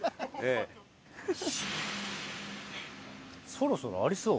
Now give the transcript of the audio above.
そろそろありそう？